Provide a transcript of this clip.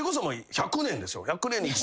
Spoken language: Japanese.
１００年？